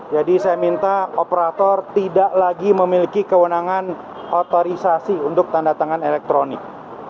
jadi saya minta operator tidak lagi memiliki kewenangan otorisasi untuk tanda tangan elektronik